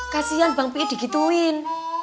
kasian bang pi digituin